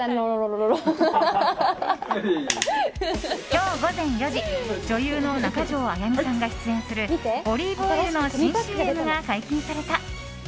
今日午前４時女優の中条あやみさんが出演するオリーブオイルの新ＣＭが解禁された。